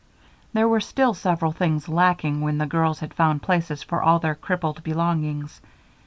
There were still several things lacking when the children had found places for all their crippled belongings.